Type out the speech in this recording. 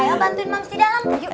ayo bantuin mamsi dalam